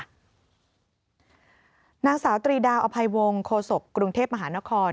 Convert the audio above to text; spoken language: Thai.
ห้องนังสาวตรีดาอภัยวงคโครสกุรูเทพมหานคร